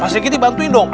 pas dikitin dibantuin dong